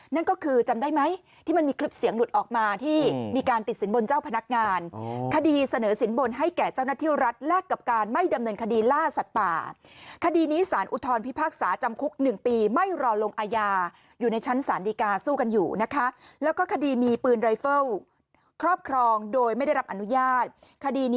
นั่นก็คือจำได้ไหมที่มันมีคลิปเสียงหลุดออกมาที่มีการติดสินบนเจ้าพนักงานคดีเสนอสินบนให้แก่เจ้าหน้าที่รัฐแลกกับการไม่ดำเนินคดีล่าสัตว์ป่าคดีนี้สารอุทธรพิพากษาจำคุก๑ปีไม่รอลงอาญาอยู่ในชั้นศาลดีกาสู้กันอยู่นะคะแล้วก็คดีมีปืนรายเฟิลครอบครองโดยไม่ได้รับอนุญาตคดี